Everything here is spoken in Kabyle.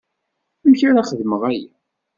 Amek ara xedmeɣ aya?